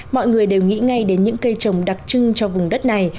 mọi người đều nghĩ ngay đến những cây trồng đặc trưng cho vùng đất này